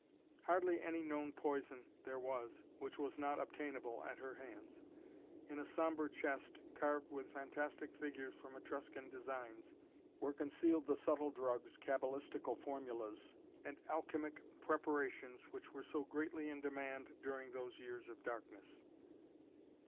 Hardly any known poison there was, which was not obtainable at her hands. In a sombre chest, carved with fantastic figures from Etruscan designs, were concealed the subtle drugs, cabalistical formulas and alchemic preparations which were so greatly in demand during those years of darkness.